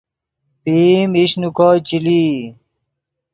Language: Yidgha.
پئیم ایش نے کوئے چے لئی